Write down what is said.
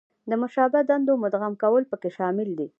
د مشابه دندو مدغم کول پکې شامل دي.